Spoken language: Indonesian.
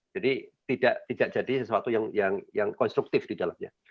jadi tidak jadi sesuatu yang konstruktif di dalamnya